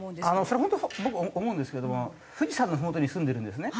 それホント僕思うんですけど富士山のふもとに住んでるんですね。